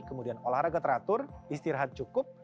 kemudian olahraga teratur istirahat cukup